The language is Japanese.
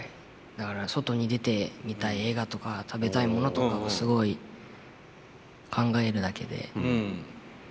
だから外に出て見たい映画とか食べたいものとかをすごい考えるだけで割と。